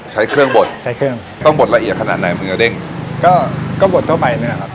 ใช้เครื่องบดใช้เครื่องต้องบดละเอียดขนาดไหนมึงจะเด้งก็ก็บดเข้าไปนี่แหละครับ